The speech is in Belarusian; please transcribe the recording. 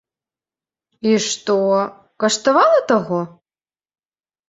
І што, каштавала таго?